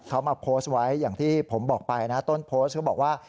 เขามาโพสต์ไว้อย่างที่ผมบอกไปนะต้นโพสต์เขาบอกว่า